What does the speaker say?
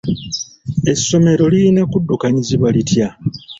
Essomero lirina kuddukanyizibwa litya?